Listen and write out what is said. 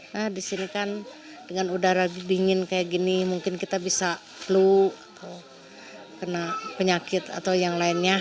nah di sini kan dengan udara dingin kayak gini mungkin kita bisa flu kena penyakit atau yang lainnya